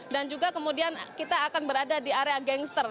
dan juga kemudian kita akan berada di area gangster